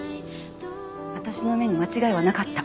私の目に間違いはなかった。